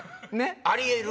ありえる！